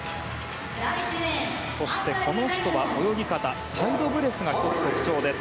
そして、この人は泳ぎ方、サイドブレスが１つ、特徴です。